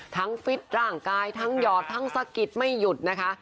ฟิตร่างกายทั้งหยอดทั้งสะกิดไม่หยุดนะคะ